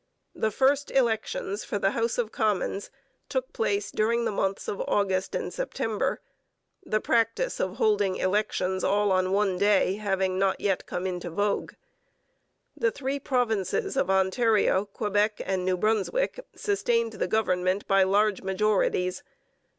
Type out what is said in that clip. The first elections for the House of Commons took place during the months of August and September, the practice of holding elections all on one day having not yet come into vogue. The three provinces of Ontario, Quebec, and New Brunswick sustained the government by large majorities.